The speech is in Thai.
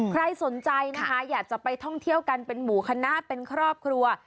ใครสนใจนะคะอยากจะไปท่องเที่ยวกันเป็นหมู่คณะเป็นครอบครัว